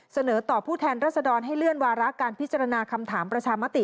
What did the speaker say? เสนอต่อผู้แทนรัศดรให้เลื่อนวาระการพิจารณาคำถามประชามติ